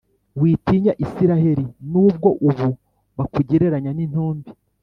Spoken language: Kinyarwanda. witinya Israheli, n’ubwo ubu bakugereranya n’intumbi.